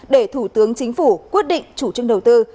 để thủ tướng chính phủ quyết định chủ trương đầu tư